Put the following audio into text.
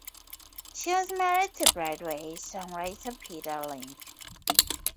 She was married to Broadway songwriter Peter Link.